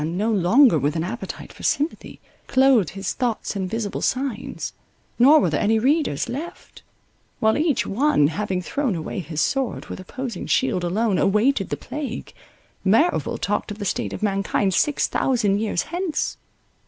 Man, no longer with an appetite for sympathy, clothed his thoughts in visible signs; nor were there any readers left: while each one, having thrown away his sword with opposing shield alone, awaited the plague, Merrival talked of the state of mankind six thousand years hence.